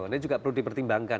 ini juga perlu dipertimbangkan